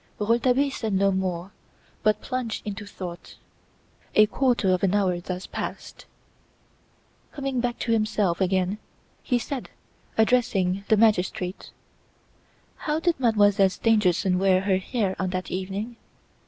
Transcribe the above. Rouletabille said no more but plunged into thought. A quarter of an hour thus passed. Coming back to himself again he said, addressing the magistrate: "How did Mademoiselle Stangerson wear her hair on that evening?"